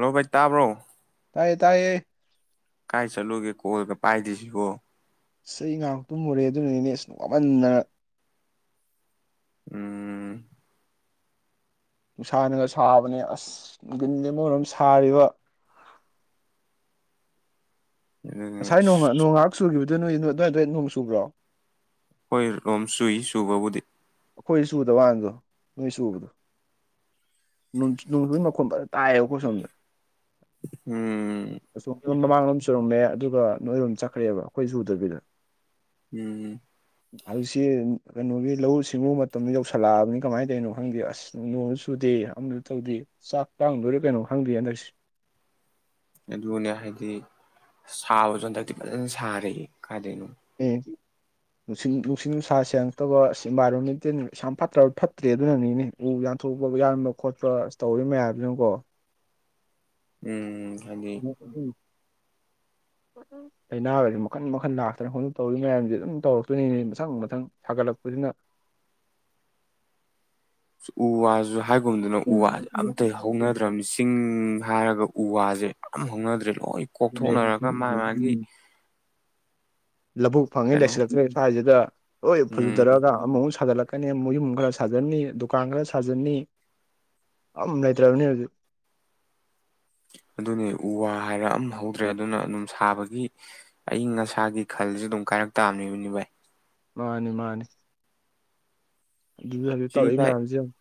Robert ꯇꯥꯕ꯭ꯔꯣ ꯇꯥꯏꯌꯦ ꯇꯥꯏꯌꯦ ꯀꯥꯏ ꯆꯠꯂꯨꯒꯦ ꯀꯣꯜꯒ ꯄꯥꯏꯗ꯭ꯔꯤꯁꯤꯕꯨ ꯏꯩꯁ ꯉꯥꯏꯍꯥꯛ ꯇꯨꯝꯃꯨꯔꯦ ꯑꯗꯨꯅꯅꯤꯅꯦ ꯅꯨꯡꯉꯥꯏꯃꯟꯗꯅ ꯎꯝ ꯅꯨꯡꯁꯥꯅꯒ ꯁꯥꯕꯅꯦ ꯑꯁ ꯅꯨꯡꯗꯤꯜꯅ ꯃꯔꯣꯝ ꯁꯥꯔꯤꯕ ꯑꯗꯨꯅꯤ ꯉꯁꯥꯏ ꯅꯣꯡ ꯅꯣꯡ ꯉꯍꯥꯛ ꯆꯨꯈꯤ ꯑꯗꯨ ꯅꯣꯏ ꯑꯗꯨꯋꯥꯏꯗ ꯅꯣꯡ ꯁꯨꯕ꯭ꯔꯣ ꯑꯩꯈꯣꯏ ꯔꯣꯝ ꯆꯨꯏ ꯆꯨꯕꯕꯨꯗꯤ ꯑꯩꯈꯣꯏ ꯆꯨꯗꯕ ꯋꯥꯥꯅꯦ ꯅꯣꯏ ꯆꯨꯕꯗꯣ ꯅꯣꯡ ꯅꯣꯡꯗꯤ ꯃꯈꯣꯟ ꯐꯖꯅ ꯇꯥꯏꯌꯦ ꯑꯩꯈꯣꯏ ꯁꯣꯝꯗ ꯎꯝ ꯑꯁꯣꯝꯒꯤ ꯃꯥꯃꯥꯡꯂꯣꯝ ꯆꯨꯔꯝꯂꯦ ꯑꯗꯨꯒ ꯅꯣꯏꯔꯣꯝ ꯆꯠꯈ꯭ꯔꯦꯕ ꯑꯩꯈꯣꯏ ꯆꯨꯗꯕꯤꯗ ꯎꯝ ꯍꯧꯖꯤꯛꯁꯤ ꯀꯩꯅꯣꯒꯤ ꯂꯧꯎꯁꯤ ꯃꯇꯝꯗꯤ ꯌꯧꯁꯜꯂꯛꯑꯕꯅꯤ ꯀꯃꯥꯏꯅ ꯇꯧꯔꯤꯅꯣ ꯈꯪꯗꯦ ꯑꯁ ꯅꯣꯡꯁꯨ ꯆꯨꯗꯦ ꯑꯃꯁꯨ ꯇꯧꯗꯦ ꯆꯥꯛ ꯇꯥꯡꯗꯣꯏꯔꯥ ꯀꯩꯅꯣ ꯈꯪꯗꯦ ꯍꯟꯗꯛꯁꯦ ꯑꯗꯨꯅꯦ ꯍꯥꯏꯗꯤ ꯁꯥꯕꯁꯨ ꯍꯟꯗꯛꯇꯤ ꯐꯖꯅ ꯁꯥꯔꯦ ꯀꯥꯏꯗꯩꯅꯣ ꯎꯝ ꯅꯨꯡꯁꯤ ꯅꯨꯡꯁꯤꯠ ꯅꯨꯡꯁꯥ ꯁꯦꯡꯉꯛꯇꯕ ꯏꯟꯚꯥꯏꯔꯣꯟꯃꯦꯟꯇꯦꯟ ꯌꯥꯝ ꯐꯠꯇ꯭ꯔꯕ ꯐꯠꯇ꯭ꯔꯦꯅꯦ ꯑꯗꯨꯅꯅꯤꯅꯦ ꯎ ꯌꯥꯟꯊꯣꯛꯄ ꯌꯥꯟꯕ ꯈꯣꯠꯄ ꯇꯧꯔꯤ ꯃꯌꯥꯝꯗꯨꯅꯀꯣ ꯎꯡ [unintelligible] ꯀꯩꯅꯣ ꯃꯈꯟ ꯃꯈꯟ ꯂꯥꯛꯇꯅ ꯄꯪꯇꯧ ꯇꯧꯔꯤꯕ ꯃꯌꯥꯝꯖꯦ ꯑꯗꯨꯝ ꯇꯧꯔꯛꯇꯣꯏꯅꯤꯅꯦ ꯃꯊꯪ ꯃꯊꯪ ꯊꯥꯒꯠꯂꯛꯄꯅꯤꯅ ꯎ ꯋꯥꯖꯨ ꯍꯥꯏꯒꯨꯝꯗꯅ ꯎ ꯋꯥꯁꯦ ꯑꯗꯨꯅꯦ ꯑꯝꯇ ꯍꯧꯅꯗ꯭ꯔꯕꯅꯤ ꯆꯤꯡ ꯍꯥꯏꯔꯒ ꯎ ꯋꯥꯁꯦ ꯑꯝ ꯍꯧꯅꯗ꯭ꯔꯦ ꯂꯣꯏ ꯀꯣꯛꯊꯣꯛꯅꯔꯒ ꯃꯥ ꯃꯥꯒꯤ ꯂꯧꯕꯨꯛ ꯐꯪꯉꯦ ꯀꯩꯅꯣ ꯂꯩꯁꯤꯜꯂꯛꯇ꯭ꯔꯦ ꯏꯝꯐꯥꯜꯁꯤꯗ ꯍꯣꯏ ꯎꯝ ꯐꯨꯗꯔꯛꯑ ꯑꯃꯛꯨꯛ ꯁꯥꯒꯠꯂꯛ ꯀ ꯃꯌꯨꯝ ꯈꯔ ꯁꯥꯖꯟꯅꯤ ꯗꯨꯀꯥꯟ ꯈꯔ ꯁꯥꯖꯟꯅꯤ ꯑꯝ ꯂꯩꯇ꯭ꯔꯕꯅꯤ ꯍꯧꯖꯤꯛ ꯑꯗꯨꯅꯤ ꯎ ꯋꯥ ꯍꯥꯏꯔ ꯑꯝ ꯍꯧꯗ꯭ꯔꯦ ꯑꯗꯨꯅ ꯑꯗꯨꯝ ꯁꯥꯕꯒꯤ ꯑꯏꯪ ꯑꯁꯥꯒꯤ ꯈꯜꯁꯨ ꯑꯗꯨꯝ ꯀꯥꯏꯔꯛ ꯇꯥꯕꯅꯤ ꯚꯥꯏ ꯃꯥꯅꯤ ꯃꯥꯅꯤ ꯑꯗꯨ ꯍꯧꯖꯤꯛ ꯁꯤ ꯇꯧꯔꯛꯏ ꯚꯥꯏ ꯃꯌꯥꯝꯁꯤ ꯌꯦꯡꯎ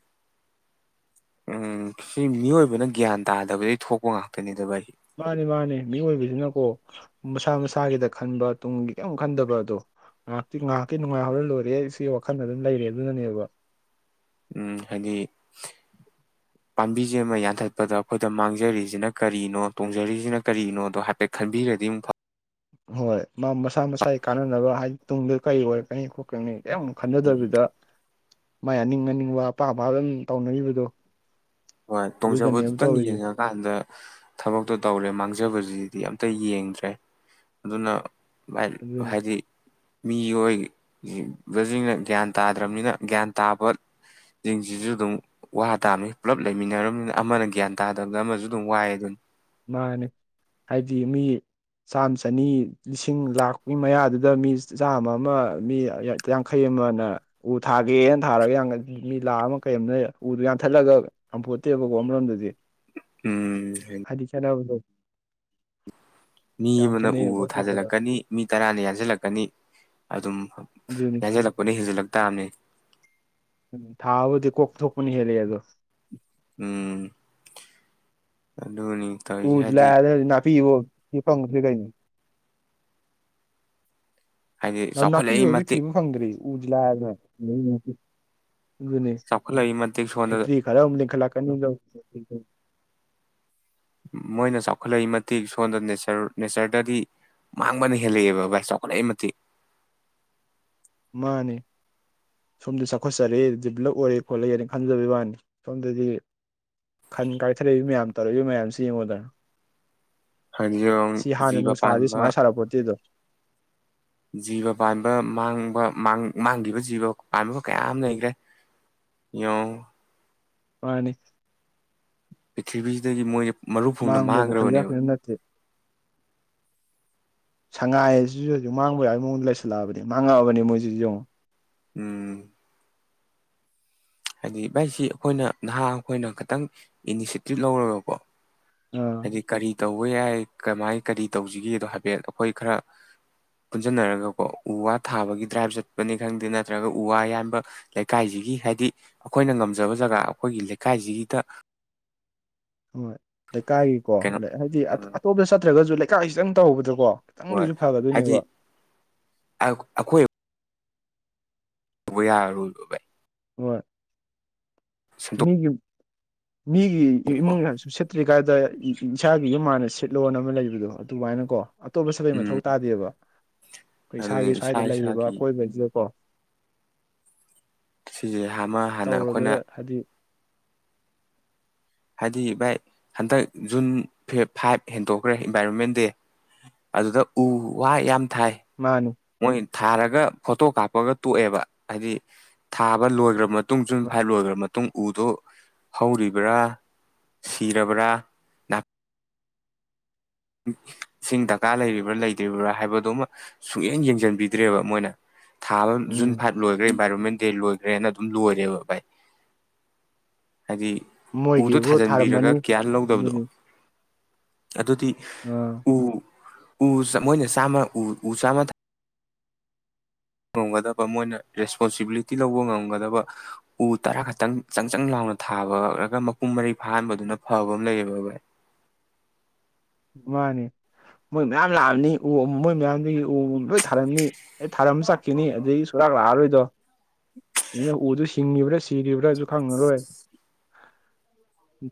ꯎꯝ ꯁꯤ ꯃꯤꯑꯣꯏꯕꯅ ꯒ꯭ꯌꯥꯟ ꯇꯥꯗꯕꯗꯒꯤ ꯊꯣꯛꯄ ꯉꯥꯛꯇꯅꯤꯗ ꯚꯥꯏ ꯃꯥꯅꯤ ꯃꯥꯅꯤ ꯃꯤꯑꯣꯏꯕ ꯁꯤꯅꯀꯣ ꯃꯁꯥ ꯃꯁꯥꯒꯤꯗ ꯈꯟꯕ ꯇꯨꯡꯒꯤ ꯀꯩꯝ ꯈꯟꯗꯕ ꯑꯗꯣ ꯉꯥꯏꯍꯥꯛꯇꯤ ꯉꯥꯏꯍꯥꯛꯀꯤ ꯅꯨꯡꯉꯥꯏꯍꯧꯔ ꯂꯣꯏꯔꯦ ꯁꯤ ꯋꯥꯈꯜꯗ ꯑꯗꯨꯝ ꯂꯩꯔꯦ ꯑꯗꯨꯅꯅꯦꯕ ꯎꯝ ꯍꯥꯏꯗꯤ ꯄꯥꯝꯕꯤꯁꯦ ꯑꯃ ꯌꯥꯟꯊꯠꯄꯗ ꯑꯩꯈꯣꯏꯗ ꯃꯥꯡꯖꯔꯤꯁꯤꯅ ꯀꯔꯤꯅꯣ ꯇꯣꯡꯖꯔꯤꯁꯤꯅ ꯀꯔꯤꯅꯣꯗꯣ ꯍꯥꯏꯐꯦꯠ ꯈꯟꯕꯤꯔꯗꯤ ꯑꯃꯨꯛ ꯐꯥꯕ ꯍꯣꯏ ꯃꯥ ꯃꯁꯥ ꯃꯁꯥꯒꯤ ꯀꯥꯟꯅꯅꯕ ꯍꯥꯏꯗꯤ ꯇꯨꯡꯗ ꯀꯔꯤ ꯑꯣꯏꯔꯛꯀꯅꯤ ꯈꯣꯠꯀꯅꯤ ꯀꯩꯝ ꯎꯝ ꯈꯟꯅꯗꯕꯤꯗ ꯃꯥꯏ ꯑꯅꯤꯡ ꯑꯅꯤꯡꯕ ꯑꯄꯥꯝ ꯑꯄꯥꯥꯝꯕ ꯑꯗꯨꯝ ꯇꯧꯅꯒꯤꯕꯗꯣ ꯍꯣꯏ ꯇꯣꯡꯖꯕꯗꯨꯇꯪ ꯌꯦꯡꯉꯀꯥꯟꯗ ꯊꯕꯛꯇꯣ ꯇꯧꯔꯦ ꯃꯥꯡꯖꯕꯁꯤ ꯗꯤ ꯑꯇ ꯌꯦꯡꯗ꯭ꯔꯦ ꯑꯗꯨꯅ ꯚꯥꯢ ꯑꯗꯨꯅꯤ ꯍꯥꯏꯗꯤ ꯃꯤꯑꯣꯏꯕꯁꯤꯡꯅ ꯒ꯭ꯌꯥꯟ ꯇꯥꯗ꯭ꯔꯕꯅꯤꯅ ꯒ꯭ꯌꯥꯟ ꯇꯥꯕ ꯁꯤꯡꯁꯤꯁꯨ ꯑꯗꯨꯝ ꯋꯥ ꯇꯥꯃꯤ ꯄꯨꯂꯞ ꯂꯩꯃꯤꯟꯅꯔꯕꯅꯤꯅ ꯑꯃꯅ ꯒ꯭ꯌꯥꯟ ꯇꯥꯗꯕꯗ ꯑꯃꯁꯨ ꯑꯗꯨꯝ ꯋꯥꯏꯌꯦꯗꯨꯅꯤ ꯃꯥꯅꯦ ꯍꯥꯏꯗꯤ ꯃꯤ ꯆꯥꯝꯃ ꯆꯅꯤ ꯂꯤꯁꯤꯡ ꯂꯥꯛꯀꯤ ꯃꯌꯥꯗꯨꯗ ꯃꯤ ꯆꯥꯃ ꯑꯃ ꯃꯤ ꯌꯥꯡꯈꯩ ꯑꯃꯅ ꯎ ꯊꯥꯒꯦꯅ ꯊꯥꯔꯒ ꯃꯤ ꯂꯥꯈ ꯑꯃ ꯀꯩ ꯑꯃꯅ ꯎꯗꯨ ꯌꯥꯟꯊꯠꯂꯒ ꯉꯝꯄꯣꯠꯇꯦꯕꯀꯣ ꯑꯃꯔꯣꯝꯗꯗꯤ ꯎꯝ ꯍꯥꯏꯗꯤ ꯆꯠꯅꯕꯗꯣ ꯃꯤ ꯑꯃꯅ ꯎ ꯈꯦꯠꯅꯩꯌꯦꯕ ꯑꯇꯣꯞꯄꯗ ꯊꯥꯖꯤꯜꯂꯛꯀꯅꯤ ꯃꯤ ꯇꯔꯥꯅ ꯌꯥꯟꯁꯤꯜꯂꯛꯀꯅꯤ ꯑꯗꯨꯝ ꯅꯤ ꯌꯥꯟꯁꯤꯜꯂꯛꯄꯅ ꯍꯦꯟꯖꯤꯜꯂꯛ ꯇꯥꯕꯅꯤ ꯊꯥꯕꯕꯨꯗꯤ ꯀꯣꯛ ꯊꯣꯛꯄꯅ ꯍꯦꯂꯦ ꯑꯗꯣ [inaudible] ꯎꯝ ꯑꯗꯨꯅꯤ ꯇꯧꯔꯤꯁꯦ ꯍꯥꯏꯗꯤ ꯄꯤꯌꯣ ꯄꯤꯐꯝꯕꯨꯗꯤ ꯂꯩ ꯍꯥꯏꯗꯤ ꯅ ꯅꯥꯄꯤ ꯆꯥꯎꯈꯠꯂꯛꯏ ꯑꯣꯏꯕꯩ ꯃꯇꯤꯛ ꯊꯤꯕ ꯐꯪꯗ꯭ꯔꯤ ꯎꯗꯤ ꯂꯥꯏꯔꯗꯅ [unintelligible] ꯑꯗꯨꯅꯦ ꯆꯥꯎꯈꯠꯂꯛꯏ ꯃꯇꯤꯛ ꯁꯣꯝꯗ ꯐꯦꯛꯇꯔꯤ ꯈꯔ ꯑꯃꯨꯛ ꯂꯤꯡꯈꯠꯂꯛꯀꯅꯤ ꯃꯣꯏꯅ ꯆꯥꯎꯈꯠꯂꯛꯏ ꯃꯇꯤꯛ ꯁꯣꯝꯗ ꯅꯆꯔ ꯅꯦꯆꯔꯗꯗꯤ ꯃꯥꯡꯕꯅ ꯍꯦꯜꯂꯛꯑꯦꯕ ꯚꯥꯏ ꯆꯥꯎꯈꯠꯂꯛꯏ ꯃꯇꯤꯛ ꯃꯥꯅꯤ ꯁꯣꯝꯗ ꯆꯥꯎꯈꯠꯆꯔꯦ ꯗꯤꯕꯂꯞ ꯑꯣꯏꯔꯦ ꯈꯣꯠꯂꯦꯅ ꯈꯟꯖꯕꯩ ꯋꯥꯅꯤ ꯁꯣꯝꯗꯗꯤ ꯈꯟ ꯀꯥꯏꯊꯔꯛꯏꯕ ꯃꯌꯥꯝ ꯇꯧꯔꯛꯏꯕ ꯃꯌꯥꯝꯁꯤ ꯌꯦꯡꯉꯣꯗꯅ ꯍꯥꯏꯗꯤ ꯁꯤ ꯍꯥꯟꯅ ꯖꯤꯕ ꯅꯨꯡ ꯁꯥꯁꯤ ꯄꯥꯟꯕ ꯁꯨꯃꯥꯏꯅ ꯁꯥꯔꯝꯄꯣꯠ ꯅꯇꯦꯗꯣ ꯖꯤꯕ ꯄꯥꯟꯕꯥ ꯃꯥꯡꯈꯤꯕ ꯖꯤꯕ ꯄꯥꯟꯕ ꯀꯌꯥ ꯑꯃ ꯂꯩꯈ꯭ꯔꯦ ꯌꯦꯡꯎ ꯃꯥꯅꯤ ꯄ꯭ꯔꯤꯊꯤꯕꯤꯁꯤꯗꯒꯤ ꯃꯣꯏ ꯃꯥꯡꯕꯕꯨ ꯈꯜꯖꯤ ꯈꯌꯥ ꯅꯠꯇꯦ ꯁꯉꯥꯏꯁꯤꯁꯨ ꯃꯥꯡꯕ ꯌꯥꯕꯒꯤ ꯃꯑꯣꯡꯗ ꯂꯩꯁꯜꯂꯛꯑꯕꯅꯤ ꯃꯥꯡꯉꯛꯑꯕꯅꯤ ꯃꯣꯏꯁꯤꯁꯨ ꯌꯦꯡꯉꯣ ꯎꯝ ꯍꯥꯏꯗꯤ ꯚꯥꯏꯁꯤ ꯑꯩꯈꯣꯏꯅ ꯅꯍꯥ ꯑꯩꯈꯣꯏꯅ ꯈꯤꯇꯪ ꯏꯅꯤꯁꯤꯑꯦꯇꯤꯞ ꯂꯧꯔꯒꯀꯣ ꯑꯥ ꯍꯥꯏꯗꯤ ꯀꯔꯤ ꯇꯧꯕ ꯌꯥꯏ ꯀꯃꯥꯏ ꯀꯔꯤ ꯇꯧꯁꯤꯒꯦꯗꯣ ꯍꯥꯏꯐꯦꯠ ꯑꯩꯈꯣꯏ ꯈꯔ ꯄꯨꯟꯁꯤꯟꯅꯔꯒꯀꯣ ꯎ ꯋꯥ ꯊꯥꯕꯒꯤ ꯗ꯭ꯔꯥꯏ ꯆꯠꯄꯅꯤ ꯈꯪꯗꯦ ꯅꯠꯇ꯭ꯔꯒ ꯎ ꯋꯥ ꯌꯥꯝꯕ ꯂꯩꯀꯥꯏꯖꯤꯒꯤ ꯍꯥꯏꯗꯤ ꯑꯩꯈꯣꯏꯅ ꯉꯝꯖꯕ ꯖꯒꯥ ꯑꯩꯈꯣꯏꯒꯤ ꯂꯩꯀꯥꯏꯖꯤꯒꯤꯗ ꯍꯣꯏ ꯂꯩꯀꯥꯏꯒꯤꯀꯣ ꯍꯥꯏꯗꯤ ꯎꯝ ꯑꯇꯣꯞꯄꯗ ꯆꯠꯇ꯭ꯔꯒꯁꯨ ꯂꯩ ꯀꯥꯏꯈꯤꯁꯤꯇꯪ ꯇꯧꯕꯗ ꯀꯣ ꯍꯣꯏ ꯍꯥꯏꯗꯤ ꯑ ꯑꯩꯈꯣꯏ ꯊꯧꯕ ꯌꯥꯔꯣꯢꯕ ꯕꯥꯥꯏ ꯍꯣꯢ ꯁꯤ ꯁꯦꯝꯗꯣꯛꯄꯀꯣ ꯃꯤꯒꯤ ꯌꯨꯝ ꯃꯤꯒꯤ ꯏꯃꯨꯡꯒꯤ ꯍꯟ ꯁꯤꯠꯇ꯭ꯔꯤ ꯀꯥꯏꯗ ꯏꯁꯥꯒꯤ ꯌꯨꯝ ꯍꯥꯟꯅ ꯁꯤꯠꯂꯣꯅ ꯑꯃ ꯂꯩꯕꯗꯣ ꯑꯗꯨꯃꯥꯏꯅꯀꯣ ꯑꯇꯣꯞꯄ ꯁꯥꯕꯩ ꯃꯊꯧ ꯎꯝ ꯇꯥꯗꯦꯕ ꯑꯩꯈꯣꯏ ꯑꯗꯨꯅꯤ ꯏꯁꯥꯒꯤ ꯏꯁꯥ ꯁ꯭ꯋꯥꯏꯗ ꯂꯩꯔꯤꯕ ꯏꯁꯥꯒꯤ ꯑꯀꯣꯏꯕꯁꯤꯗꯀꯣ ꯁꯤꯁꯦ ꯍꯃ ꯍꯥꯟꯅ ꯇꯧꯔꯒ ꯑꯩꯈꯣꯏꯅ [inaudible] ꯍꯥꯏꯗꯤ ꯚꯥꯏ ꯍꯟꯗꯛ ꯖꯨꯟ ꯐꯦ ꯐꯥꯏꯚ ꯍꯦꯟꯗꯣꯛꯈ꯭ꯔꯦ ꯏꯟꯚꯥꯏꯔꯣꯟꯃꯦꯟ ꯗꯦ ꯑꯗꯨꯗ ꯎ ꯋꯥ ꯌꯥꯝ ꯊꯥꯏ ꯃꯥꯅꯤ ꯃꯣꯏ ꯊꯥꯔꯒ ꯐꯣꯇꯣ ꯀꯥꯞꯄꯒ ꯇꯣꯛꯑꯦꯕ ꯍꯥꯏꯗꯤ ꯊꯥꯕ ꯂꯣꯏꯈ꯭ꯔꯕ ꯃꯥ ꯇꯨꯡ ꯖꯨꯟ ꯃꯥ- ꯐꯥꯏꯠ ꯂꯣꯏꯈ꯭ꯔꯕ ꯃꯥꯇꯨꯡ ꯃꯇꯨꯡ ꯎꯗꯨꯣ ꯍꯧꯔꯤꯕ꯭ꯔꯥ ꯁꯤꯔꯕ꯭ꯔꯥ ꯅ ꯏꯁꯤꯡ ꯗꯔꯀꯥꯔ ꯂꯩꯔꯤꯕ꯭ꯔꯥ ꯂꯩꯇ꯭ꯔꯤꯕ꯭ꯔꯥ ꯍꯥꯏꯕꯗꯨꯃ ꯁꯨꯡꯛꯌꯦꯡ ꯌꯦꯡꯁꯤꯟꯕꯤꯗ꯭ꯔꯦꯕ ꯃꯣꯏꯅ ꯊꯥꯕ ꯖꯨꯟ ꯎꯝ ꯐꯥꯏꯚ ꯂꯣꯏꯈ꯭ꯔꯦ ꯏꯟꯚꯥꯏꯔꯣꯟꯃꯦꯟ ꯗꯦ ꯂꯣꯏꯈ꯭ꯔꯦꯅ ꯑꯗꯨ ꯂꯣꯏꯔꯦꯕ ꯚꯥꯢ ꯍꯥꯏꯗꯤ ꯎꯗꯣ ꯃꯣꯏꯒꯤꯕꯨ ꯊꯥꯖꯟꯕꯤꯔꯒ ꯊꯥꯔꯝꯃꯅꯤ ꯀꯤꯌꯥꯔ ꯂꯧꯗꯕꯗꯣ ꯑꯗꯨꯅꯤ ꯑꯗꯨꯗꯤ ꯑꯥ ꯎ ꯎ ꯃꯣꯏꯅ ꯆꯥꯝꯃ ꯎ ꯎ ꯆꯥꯝꯃ ꯊ ꯉꯝꯒꯗꯕ ꯃꯣꯏꯅ ꯔꯦꯁꯄꯣꯟꯁꯤꯕꯤꯂꯤꯇꯤ ꯂꯧꯕ ꯉꯝꯒꯗꯕ ꯎ ꯇꯔꯥ ꯈꯛꯇꯪ ꯆꯪ ꯆꯪ ꯂꯥꯎꯅ ꯊꯥꯕꯔꯒ ꯃꯄꯨꯡ ꯃꯔꯩ ꯐꯥꯍꯟꯕꯗꯨꯅ ꯐꯕ ꯑꯃ ꯂꯩꯌꯦꯕ ꯚꯥꯏ ꯃꯥꯅꯦ ꯃꯣꯏ ꯃꯌꯥꯝ ꯂꯥꯛꯑꯝꯅꯤ ꯎ ꯃꯣꯏ ꯃꯌꯥꯝꯗꯨꯒꯤ ꯎ ꯂꯣꯏ ꯊꯥꯔꯝꯅꯤ ꯑꯦ ꯊꯥꯔꯝ ꯆꯠꯈꯤꯅꯤ ꯑꯗꯨꯗꯒꯤ ꯁꯨꯔꯥꯛ ꯂꯥꯛꯑꯔꯣꯏꯗꯣ ꯎꯅꯤꯅ ꯎꯗꯣ ꯁꯤ ꯍꯤꯡꯉꯤꯕ꯭ꯔꯥ ꯁꯤꯔꯤꯕ꯭ꯔꯥ ꯑꯗꯨ ꯈꯪꯉꯔꯣꯏ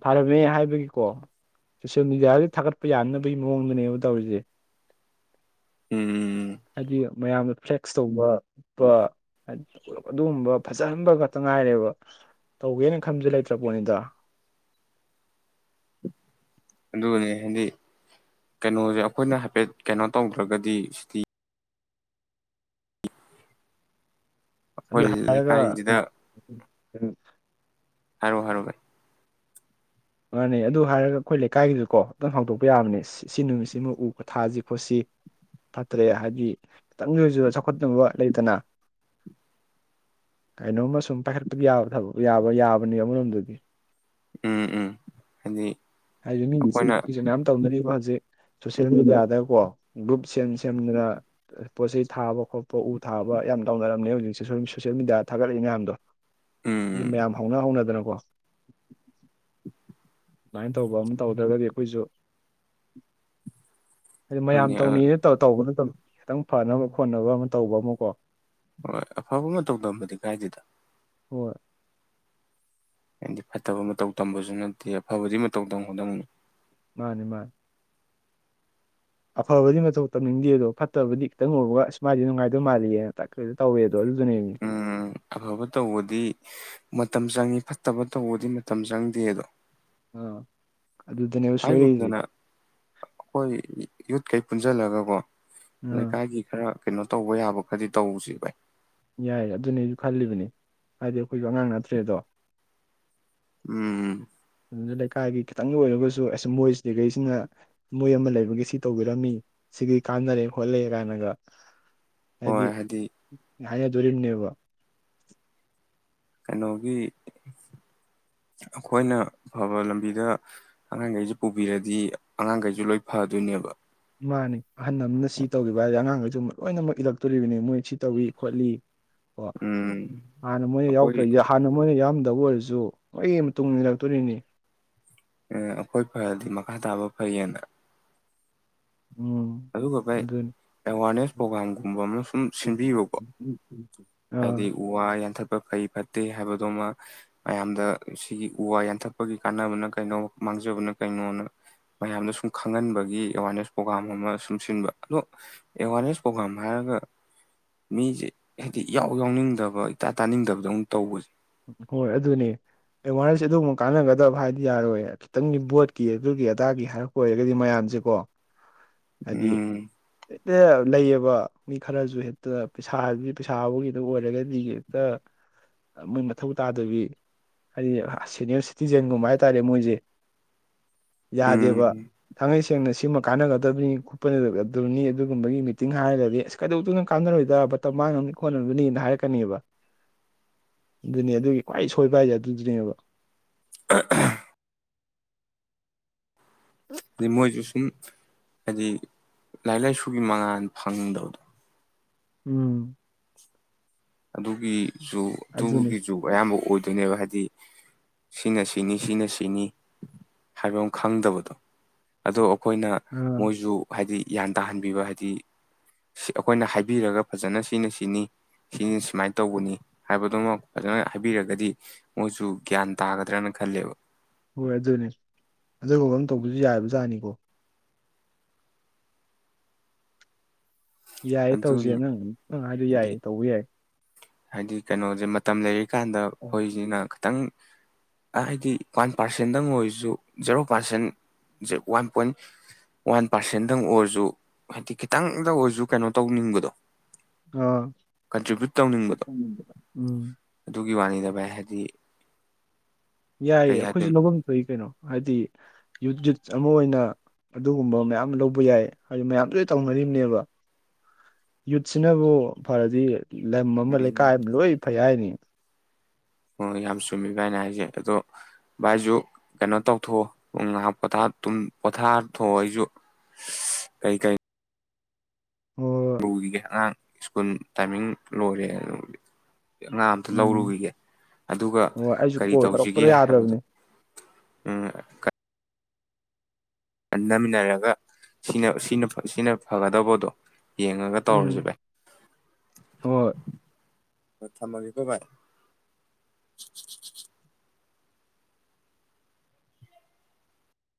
ꯊꯥꯔꯝꯃꯦ ꯍꯥꯏꯕꯒꯤꯀꯣ ꯁꯣꯁꯤꯌꯦꯜ ꯃꯦꯗꯤꯌꯥꯗꯤ ꯊꯥꯒꯠ ꯄ ꯌꯥꯅꯕꯒꯤ ꯃꯑꯣꯡꯗꯅꯦꯕ ꯇꯧꯔꯤꯁꯦ ꯎꯝ ꯍꯥꯏꯗꯤ ꯃꯌꯥꯝꯅ ꯐ꯭ꯂꯦꯛꯁ ꯇꯧꯕ ꯎꯠꯄ ꯑꯗꯨꯒꯨꯝꯕ ꯐꯖꯍꯟꯕ ꯈꯛꯇ ꯉꯥꯏꯔꯦꯕ ꯇꯧꯒꯦꯅ ꯈꯟꯕꯗꯤ ꯂꯩꯇ꯭ꯔꯄꯣꯠꯅꯤꯗ ꯑꯗꯨꯅꯦ ꯍꯥꯏꯗꯤ ꯀꯩꯅꯣꯁꯦ ꯑꯩꯈꯣꯏꯅ ꯍꯥꯏꯐꯦꯠ ꯀꯩꯅꯣ ꯇꯧꯗ꯭ꯔꯒꯗꯤ ꯁꯤꯗꯤ ꯑꯗꯨ ꯑꯩꯈꯣꯏ ꯍꯥꯏꯒ ꯎ ꯂꯩꯀꯥꯏꯁꯤꯗ ꯎ ꯍꯥꯏꯔꯣ ꯍꯥꯏꯔꯣ ꯕ ꯃꯥꯥꯟꯅꯩ ꯑꯗꯨ ꯍꯥꯏꯔꯒ ꯑꯩꯈꯣꯏ ꯂꯩꯀꯥꯏꯒꯤꯗꯨꯀꯣ ꯇꯪ ꯍꯥꯎꯗꯣꯛꯄ ꯌꯥꯕꯅꯤ ꯁꯤ ꯅꯨꯃꯤꯠꯁꯤꯃ ꯎ ꯊꯥꯁꯤ ꯈꯣꯠꯁꯤ ꯐꯠꯇ꯭ꯔꯦ ꯍꯥꯏꯕꯗꯤ ꯈꯤꯇꯪꯒꯤ ꯑꯣꯏꯁꯨ ꯆꯥꯎꯈꯠꯇꯅꯕ ꯂꯩꯇꯅ ꯀꯩꯅꯣꯝꯃ ꯁꯨꯝ ꯄꯥꯏꯈꯠꯄ ꯌꯥ ꯊꯕꯛ ꯌꯥꯕ ꯌꯥꯕꯅꯦ ꯑꯃꯔꯣꯝꯗꯨꯒꯤ ꯎꯝ ꯎꯝ ꯍꯥꯏꯗꯤ ꯍꯥꯏꯖ ꯃꯤꯁ ꯑꯩꯈꯣꯏꯅ ꯃꯌꯥꯝ ꯇꯧꯅꯔꯤ ꯍꯧꯖꯤꯛ ꯁꯣꯁꯦꯜ ꯃꯦꯗꯤꯌꯥꯗꯀꯣ ꯒ꯭ꯔꯨꯞ ꯁꯦꯝ ꯁꯦꯝꯗꯨꯅ ꯄꯣꯠ ꯆꯩꯩ ꯊꯥꯕ ꯈꯣꯠꯄ ꯎ ꯊꯥꯕ ꯌꯥꯝ ꯇꯧꯅꯔꯝꯅꯦ ꯍꯧꯖꯤꯛꯁꯦ ꯁꯣꯁꯦꯜ ꯃꯦꯗꯤꯌꯥꯗ ꯊꯥꯒꯠꯂꯛꯏ ꯃꯌꯥꯝꯗꯣ ꯍꯥꯏꯗꯤ ꯎꯝ ꯃꯌꯥꯝ ꯍꯧꯅ ꯍꯧꯅꯗꯅꯀꯣ ꯎꯎꯎ ꯑꯗꯨꯃꯥꯏꯅ ꯇꯧꯕ ꯑꯃ ꯇꯧꯗ꯭ꯔꯒꯗꯤ ꯑꯩꯈꯣꯏꯁꯨ ꯍꯥꯏꯗꯤ ꯃꯌꯥꯝ ꯍꯣꯏꯅꯦ ꯍꯣꯏ ꯇꯧꯅꯤꯌꯦ ꯇꯧꯕ ꯅꯠꯇꯕꯅ ꯈꯤꯇꯪ ꯐꯅꯕ ꯈꯣꯠꯅꯕ ꯑꯃ ꯇꯧꯕ ꯑꯃꯀꯣ ꯍꯣꯏ ꯑꯐꯕ ꯃꯇꯧ ꯇꯝꯕꯗꯤ ꯀꯥꯏꯗꯗ ꯍꯣꯏ ꯍꯥꯏꯗꯤ ꯐꯠꯇꯕ ꯃꯇꯧ ꯇꯝꯕꯁꯨ ꯅꯠꯇꯦ ꯑꯐꯕꯗꯤ ꯃꯇꯧ ꯇꯝꯒꯗꯕꯅꯤ ꯃꯥꯅꯤ ꯃꯥꯅꯤ ꯑꯐꯕꯗꯤ ꯃꯊꯧ ꯇꯧꯅꯤꯡꯗꯦ ꯑꯗꯣ ꯐꯠꯇꯕꯗꯤ ꯈꯤꯇꯪ ꯎꯔꯕ ꯑꯁꯨꯃꯥꯏꯗꯤ ꯅꯨꯡꯉꯥꯏꯗꯧ ꯃꯥꯜꯂꯤꯦꯅꯦ ꯇꯛ ꯍꯦꯛꯇ ꯇꯧꯋꯦ ꯎꯝ ꯑꯐꯕ ꯇꯧꯕꯗꯤ ꯃꯇꯝ ꯆꯪꯉꯤ ꯐꯠꯇꯕ ꯇꯧꯕꯗꯤ ꯃꯇꯝ ꯆꯪꯗꯦ ꯑꯗꯣ ꯑꯥ ꯑꯗꯨꯗꯅꯦꯕ ꯁꯣꯏꯔꯛꯏꯁꯦ ꯍꯥꯏꯒꯨꯝꯗꯅ ꯑꯈꯣꯢ ꯌꯨꯠ ꯀꯩ ꯄꯨꯟꯁꯤꯜꯂꯒ ꯀꯣ ꯑꯥ ꯂꯩꯀꯥꯏꯒꯤ ꯈꯔ ꯀꯩꯅꯣ ꯇꯧꯕ ꯌꯥꯕ ꯈꯔꯗꯤ ꯇꯧꯁꯤ ꯚꯥꯏ ꯌꯥꯏ ꯑꯗꯨꯅꯦꯁꯨ ꯈꯜꯂꯤꯕꯅꯤ ꯍꯥꯏꯗꯤ ꯑꯩꯈꯣꯏꯁꯨ ꯑꯉꯥꯡ ꯅꯠꯇ꯭ꯔꯦꯗꯣ ꯎꯝꯝ ꯑꯗꯨꯗ ꯂꯩꯀꯥꯏꯒꯤ ꯈꯤꯇꯪꯒꯤ ꯑꯣꯏꯔꯒꯁꯨ ꯑꯁ ꯃꯣꯏꯁꯤ ꯂꯤꯈꯩꯁꯤꯅ ꯃꯣꯏ ꯑꯃ ꯂꯩꯕꯒꯤ ꯁꯤ ꯇꯧꯕꯤꯔꯝꯃꯤ ꯁꯤꯒꯤ ꯀꯥꯟꯅꯔꯦ ꯈꯣꯠꯂꯦ ꯀꯥꯏꯅꯒ ꯍꯣꯏ ꯍꯥꯏꯗꯤ ꯌꯥꯅꯦꯗꯨꯣꯔꯤꯅꯦꯕ ꯀꯩꯅꯣꯒꯤ ꯑꯩꯈꯣꯏꯅ ꯐꯕ ꯂꯝꯕꯤꯗ ꯑꯉꯥꯡꯈꯩꯁꯦ ꯄꯨꯕꯤꯔꯗꯤ ꯑꯉꯥꯡꯈꯩꯁꯨ ꯂꯣꯏ ꯐꯗꯣꯏꯅꯦꯕ ꯏꯃꯅꯦ ꯑꯍꯟ ꯑꯃꯅ ꯁꯤ ꯇꯧꯈꯤꯕ ꯍꯥꯏꯔꯗꯤ ꯑꯉꯥꯡꯈꯩꯁꯨ ꯂꯣꯏꯅꯃꯛ ꯏꯜꯂꯛꯇꯣꯔꯤꯕꯅꯤ ꯃꯣꯏ ꯁꯤ ꯇꯧꯏ ꯈꯣꯠꯂꯤ ꯑꯣ ꯎꯝ ꯍꯥꯟꯅ ꯃꯣꯏꯅ ꯑꯩꯈꯣꯏ ꯌꯥꯎꯗ꯭ꯔ ꯍꯥꯟꯅ ꯃꯣꯏꯅ ꯌꯥꯝ ꯇꯕꯨ ꯑꯣꯏꯔꯁꯨ ꯑꯩꯒꯤ ꯃꯇꯨꯡ ꯏꯟꯅꯔꯛꯇꯣꯅꯤꯅꯦ ꯑꯦ ꯑꯩꯈꯣꯏ ꯐꯔꯗꯤ ꯃꯈꯥ ꯇꯥꯕ ꯐꯩꯌꯦꯅ ꯎꯝ ꯑꯗꯨꯒ ꯚꯥꯢ ꯑꯗꯨꯅꯤ ꯑꯦꯋꯥꯔꯅꯦꯁ ꯄ꯭ꯔꯣꯒ꯭ꯔꯥꯝꯒꯨꯝꯕ ꯑꯃ ꯁꯨꯝ ꯁꯤꯟꯕꯤꯕꯨꯀꯣ ꯑꯥ ꯍꯥꯏꯗꯤ ꯎ ꯋꯥ ꯌꯥꯟꯊꯠꯄ ꯐꯩ ꯐꯠ ꯇꯦ ꯍꯥꯏꯕꯗꯣꯃ ꯃꯌꯥꯝꯗ ꯁꯤꯒꯤ ꯎ ꯋꯥ ꯌꯥꯟꯊꯠꯄꯒꯤ ꯀꯥꯟꯅꯕꯅ ꯀꯩꯅꯣ ꯃꯥꯡꯖꯕꯅ ꯀꯩꯅꯣꯅ ꯃꯌꯥꯝꯗ ꯁꯨꯝ ꯈꯪꯍꯟꯕꯒꯤ ꯑꯦꯋꯥꯔꯅꯦꯁ ꯄ꯭ꯔꯣꯒ꯭ꯔꯥꯝ ꯑꯃ ꯁꯨꯝ ꯁꯤꯟꯕ ꯑꯗꯣ ꯑꯦꯋꯥꯔꯅꯦꯁ ꯄ꯭ꯔꯣꯒꯥ꯭ꯔꯥꯝ ꯍꯥꯏꯔꯒ ꯃꯤꯁꯦ ꯍꯥꯏꯗꯤ ꯏꯎ ꯌꯥꯎꯅꯤꯡꯗꯕ ꯏꯇꯥ ꯇꯥꯅꯤꯡꯗꯕꯗ ꯑꯃꯨꯛ ꯇꯧꯕꯁꯦ ꯍꯣꯏ ꯑꯗꯨꯅꯤ ꯑꯦꯋꯥꯔꯁꯁꯦ ꯑꯗꯨꯒꯨꯝꯕ ꯀꯥꯟꯅꯒꯗꯕ ꯍꯥꯏꯕꯗꯤ ꯌꯥꯔꯣꯏ ꯈꯤꯇꯪꯗꯤ ꯕꯣꯠꯀꯤ ꯑꯗꯨꯒꯤ ꯑꯗꯥꯒꯤ ꯍꯥꯏꯔꯛꯄ ꯑꯣꯏꯔꯒꯗꯤ ꯃꯌꯥꯝꯁꯦꯀꯣ ꯍꯥꯏꯗꯤ ꯎꯝ ꯍꯦꯛꯇ ꯂꯩꯌꯦꯕ ꯃꯤ ꯈꯔꯁꯨ ꯍꯦꯛꯇ ꯄꯩꯁꯥꯗꯤ ꯄꯩꯁꯥꯕꯒꯤꯗ ꯑꯣꯏꯔꯒꯗꯤ ꯍꯦꯛꯇ ꯃꯊꯧ ꯇꯥꯗꯕꯤ ꯍꯥꯏꯗꯤ ꯁꯦꯅꯤꯌꯔ ꯁꯤꯇꯤꯖꯦꯟꯒꯨꯝꯕ ꯍꯥꯏꯇꯥꯔꯦ ꯃꯣꯏꯁꯦ ꯌꯥꯗꯦꯕ ꯎꯝ ꯊꯥꯡꯉꯩꯁꯦ ꯁꯦꯡꯅ ꯁꯤꯃ ꯀꯥꯟꯅꯒꯗꯕꯅꯤ ꯈꯣꯠꯄꯗꯕꯅꯤ ꯑꯗꯨꯒꯨꯝꯕꯒꯤ ꯃꯤꯇꯤꯡ ꯍꯥꯏꯔꯒꯗꯤ ꯑꯁ ꯀꯩꯗꯧꯗꯣꯢꯅꯣ ꯀꯥꯟꯅꯔꯣꯏꯗ ꯃꯥꯡꯅꯕꯅꯤ ꯈꯣꯠꯅꯕꯅꯤꯅ ꯍꯥꯏꯔꯛꯀꯅꯤꯕ ꯑꯗꯨꯅꯦ ꯑꯗꯨꯒꯤ ꯈ꯭ꯋꯥꯏ ꯁꯣꯏꯕ ꯍꯥꯏꯁꯦ ꯑꯗꯨꯗꯨꯅꯦꯕ ꯑ ꯍ ꯑꯗꯨ ꯃꯣꯏꯖꯨ ꯁꯨꯝ ꯍꯥꯏꯗꯤ ꯂꯥꯏꯔꯤꯛ ꯂꯥꯏꯁꯨꯒꯤ ꯃꯉꯥꯜ ꯐꯪꯗꯕꯗꯣ ꯎꯝ ꯑꯗꯨꯒꯤ ꯖꯨ ꯑꯗꯨꯅꯤ ꯑꯗꯨꯒꯤ ꯖꯨ ꯑꯌꯥꯝꯕ ꯑꯣꯏ ꯑꯗꯨꯅꯦꯕ ꯍꯥꯏꯗꯤ ꯁꯤꯅ ꯁꯤꯅꯤ ꯁꯤꯅ ꯁꯤꯅꯤ ꯍꯥꯏꯕ ꯑꯃ ꯈꯪꯗꯕꯗꯣ ꯑꯗꯣ ꯑꯩꯈꯣꯏꯅ ꯑꯥ ꯃꯣꯏꯁꯨ ꯍꯥꯏꯗꯤ ꯒ꯭ꯌꯥꯟ ꯇꯥꯍꯟꯕꯤꯕ ꯍꯥꯏꯗꯤ ꯑꯩꯈꯣꯏꯅ ꯍꯥꯏꯕꯤꯔꯒ ꯐꯖꯅ ꯁꯤꯅ ꯁꯤꯅꯤ ꯁꯤꯅꯤ ꯁꯨꯃꯥꯏꯅ ꯇꯧꯕꯅꯤ ꯍꯥꯏꯕꯗꯨꯃ ꯐꯖꯅ ꯍꯥꯏꯕꯤꯔꯒꯗꯤ ꯃꯣꯏꯁꯨ ꯒ꯭ꯌꯥꯟ ꯇꯥꯒꯗ꯭ꯔꯅ ꯈꯜꯂꯦꯕ ꯍꯣꯏ ꯑꯗꯨꯅꯦ ꯑꯗꯨꯒꯨꯝꯕ ꯑꯃ ꯇꯧꯕꯁꯨ ꯌꯥꯕꯖꯥꯠꯅꯤꯀꯣ ꯌꯥꯏꯌꯦ ꯇꯧꯁꯦ ꯑꯗꯨꯅꯤ ꯅꯪ ꯅꯪ ꯍꯥꯏꯗꯣ ꯍꯥꯏꯗꯤ ꯌꯥꯏꯌꯦ ꯇꯧꯕ ꯌꯥꯏ ꯍꯥꯏꯗꯤ ꯀꯩꯅꯣꯁꯦ ꯃꯇꯝ ꯂꯩꯔꯤ ꯀꯥꯟꯗ ꯑꯩꯈꯣꯏꯁꯤꯅ ꯈꯇꯪ ꯍꯥꯏꯗꯤ ꯋꯥꯟ ꯄꯥꯔꯁꯦꯟꯗꯪ ꯑꯣꯏꯔꯁꯨ ꯖꯦꯔꯣ ꯄꯥꯔꯁꯦꯟꯖꯦ ꯋꯥꯟ ꯄꯣꯏꯟ ꯋꯥꯟ ꯄꯥꯔꯁꯦꯟꯗꯪ ꯑꯣꯏꯔꯁꯨ ꯍꯥꯏꯗꯤ ꯈꯤꯇꯪꯗ ꯑꯣꯏꯔꯁꯨ ꯀꯩꯅꯣ ꯇꯧꯅꯤꯡꯕꯗꯣ ꯑꯥ ꯀꯟꯇ꯭ꯔꯤꯕ꯭ꯌꯨꯠ ꯇꯧꯅꯤꯡꯕꯗꯣ ꯎꯝ ꯑꯗꯨ ꯒꯤ ꯋꯥꯅꯤꯗ ꯚꯥꯢ ꯍꯥꯏꯗꯤ ꯌꯥꯏꯌꯦ ꯀꯩ ꯑꯩꯈꯣꯏꯁꯨ ꯍꯥꯏꯗꯣꯏꯅꯣ ꯂꯧꯐꯝ ꯊꯣꯛꯏ ꯀꯩꯅꯣ ꯍꯥꯏꯗꯤ ꯌꯨꯠ ꯌꯨꯠ ꯑꯃ ꯑꯣꯏꯅ ꯑꯗꯨꯒꯨꯝꯕ ꯃꯌꯥꯝ ꯂꯧꯕ ꯌꯥꯏ ꯍꯥꯏꯗꯤ ꯃꯌꯥꯝꯁꯨ ꯂꯣꯢ ꯇꯧꯅꯔꯤꯝꯅꯦꯕ ꯌꯨꯠꯁꯤꯅꯕꯨ ꯐꯔꯗꯤ ꯂꯝ ꯑꯃ ꯎꯝ ꯂꯩꯀꯥꯏ ꯑꯃ ꯂꯣꯏ ꯐꯩ ꯍꯥꯏꯅꯦ ꯍꯣꯏ ꯌꯥꯝ ꯆꯨꯝꯃꯤ ꯚꯥꯏꯅ ꯍꯥꯏꯁꯦ ꯑꯗꯣ ꯚꯥꯏꯁꯨ ꯀꯩꯅꯣ ꯇꯧꯊꯣꯛꯑꯣ ꯑꯝ ꯉꯥꯏꯍꯥꯛ ꯄꯣꯊꯥ ꯇꯨꯝ ꯄꯣꯊꯥꯊꯣꯛꯑꯣ ꯑꯩꯁꯨ ꯀꯩ ꯀꯩ ꯍꯣꯏ ꯍꯣꯏ ꯔꯨꯈꯤꯒꯦ ꯑꯉꯥꯡ ꯁ꯭ꯀꯨꯜ ꯇꯥꯏꯃꯤꯡ ꯂꯣꯏꯔꯦ ꯑꯗꯨ ꯑꯉꯥꯡ ꯑꯝꯇ ꯎꯝ ꯂꯧꯔꯨꯈꯤꯒꯦ ꯑꯗꯨꯒ ꯍꯣꯏ ꯑꯩꯁꯨ ꯀꯔꯤ ꯀꯣꯜ ꯇꯧꯁꯤꯒꯦ ꯇꯧꯔꯛꯄꯗ ꯍꯥꯏꯕꯗꯣ ꯌꯥꯗ꯭ꯔꯕꯅꯦ ꯎꯝ ꯈꯟꯊꯃꯤꯟꯅꯔꯒ ꯁꯤꯅ ꯁꯤꯅ ꯁꯤꯅ ꯐꯒꯗꯧꯕꯗꯣ ꯌꯦꯡꯉꯒ ꯎꯝ ꯇꯧꯔꯁꯤ ꯚꯥꯏ ꯍꯣꯏ ꯑꯣ ꯊꯝꯃꯒꯦꯀꯣ ꯚꯥꯢ